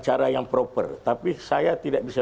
cara yang proper tapi saya tidak bisa